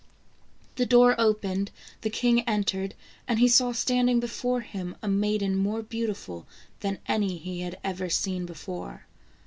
The door opened, the king entered, and he saw standing before him a maiden more beautiful than any he had ever seen before.